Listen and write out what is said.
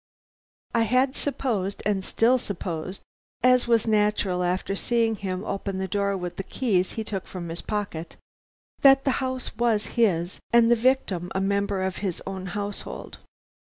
"I had supposed, and still supposed (as was natural after seeing him open the door with the keys he took from his pocket), that the house was his, and the victim a member of his own household.